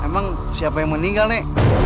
emang siapa yang meninggal nih